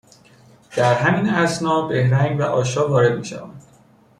در همین اثنا بهرنگ و آشا وارد میشوند